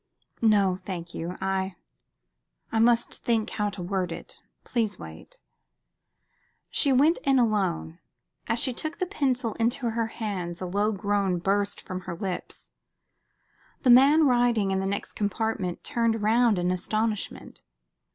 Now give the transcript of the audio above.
"No, thank you. I I must think how to word it. Please wait." She went in alone. As she took the pencil into her hands a low groan burst from her lips. The man writing in the next compartment turned round in astonishment.